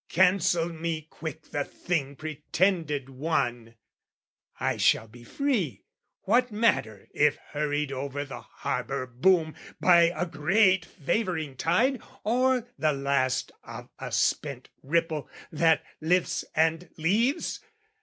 "Cancel me quick the thing pretended one. "I shall be free. What matter if hurried over "The harbour boom by a great favouring tide, "Or the last of a spent ripple that lifts and leaves?